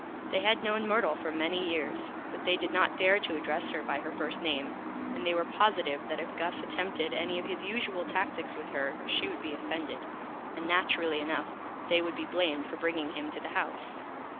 They had known Myrtle for many Years; but they did not dare to Address her by her First Name, and they were Positive that if Gus attempted any of his usual Tactics with her she would be Offended; and, naturally enough, they would be Blamed for bringing him to the House.